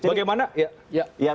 oke oke bagaimana